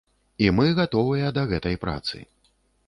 І мы гатовыя да гэтай працы.